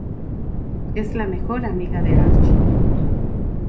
Es la mejor amiga de Archie.